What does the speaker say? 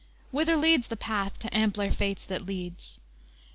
V Whither leads the path To ampler fates that leads?